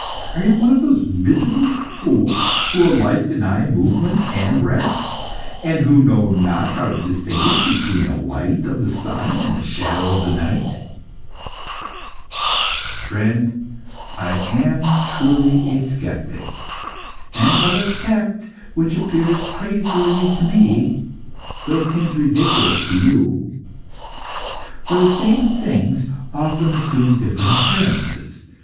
Are you one of those miserable fools who alike deny movement and rest, and who know not how to distinguish between the light of the sun and the shadows of night?" "Friend, I am truly a sceptic, and of a sect which appears praiseworthy to me, though it seems ridiculous to you. For the same things often assume different appearances.